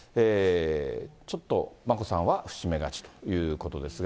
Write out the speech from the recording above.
ちょっと眞子さんは伏し目がちということですが。